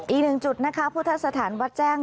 อีกหนึ่งจุดนะคะพุทธสถานวัดแจ้ง